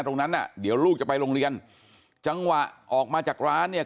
ตรงนั้นน่ะเดี๋ยวลูกจะไปโรงเรียนจังหวะออกมาจากร้านเนี่ย